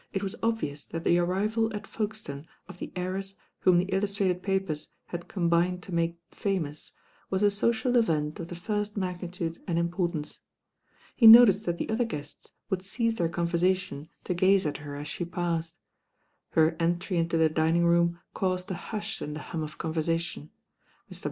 It was obvious that the arrival at Folkestone of the heiress whom the illus trated papers had combined to make famous, was a social event of the first magnitude and Importance. He noticed that the other guests would cease their conversation to gaze at her as she passed. Her entry into the dining room caused a hush in the hum of conversation. Mr.